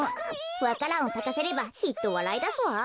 わか蘭をさかせればきっとわらいだすわ。